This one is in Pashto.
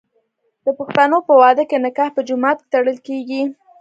د پښتنو په واده کې نکاح په جومات کې تړل کیږي.